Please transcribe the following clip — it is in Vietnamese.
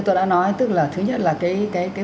tôi đã nói tức là thứ nhất là cái